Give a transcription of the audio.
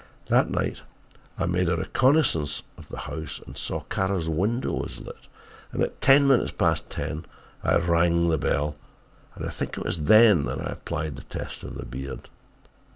"That night I made a reconnaissance of the house and saw Kara's window was lit and at ten minutes past ten I rang the bell and I think it was then that I applied the test of the beard.